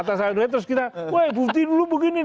atau soal duit terus kita woy budi lu begini